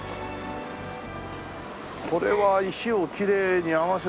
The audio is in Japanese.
これは石をきれいに合わせてますね。